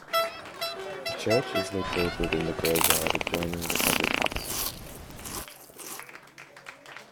The church is located in the graveyard adjoining the public house.